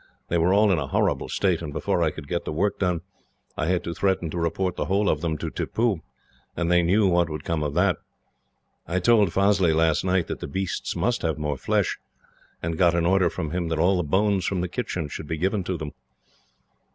They were all in a horrible state, and before I could get the work done, I had to threaten to report the whole of them to Tippoo, and they knew what would come of that. I told Fazli, last night, that the beasts must have more flesh, and got an order from him that all the bones from the kitchens should be given to them."